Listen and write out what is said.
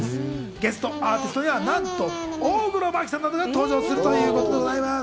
ゲストアーティストにはなんと大黒摩季さんなども登場するということなんです。